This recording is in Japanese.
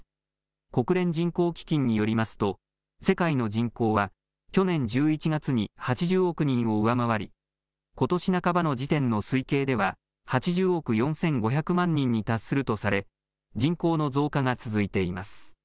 国連人口基金によりますと、世界の人口は去年１１月に８０億人を上回り、ことし半ばの時点の推計では、８０億４５００万人に達するとされ、人口の増加が続いています。